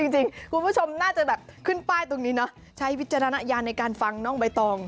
จริงคุณผู้ชมน่าจะแบบขึ้นป้ายตรงนี้เนอะใช้วิจารณญาณในการฟังน้องใบตอง